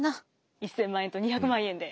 １，０００万円と２００万円で。